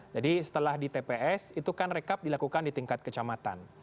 jadi setelah di tps itu kan rekap dilakukan di tingkat kecamatan